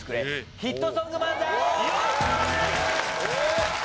ヒットソング漫才。